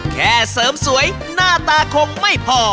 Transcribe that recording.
แค่เสริมสวยหน้าตาคงไม่พอ